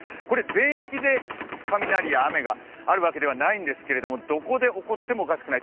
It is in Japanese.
全域で雷や雨があるわけではないんですけど、どこで起こってもおかしくない。